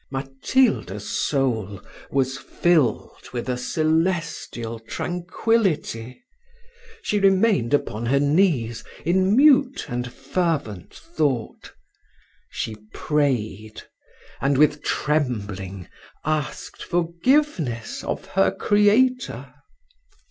Matilda's soul was filled with a celestial tranquillity. She remained upon her knees in mute and fervent thought: she prayed; and, with trembling, asked forgiveness of her Creator.